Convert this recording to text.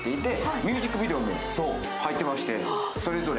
ミュージックビデオも入ってまして、それぞれ。